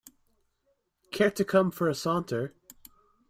Care to come for a saunter?